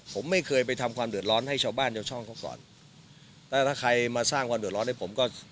ผมไม่เคยไปทำความเดือดร้อนให้ชาวบ้านชาวช่องเขาก่อนถ้าถ้าใครมาสร้างความเดือดร้อนให้ผมก็